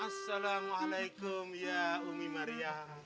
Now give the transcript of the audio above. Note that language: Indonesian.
assalamualaikum ya umi maryam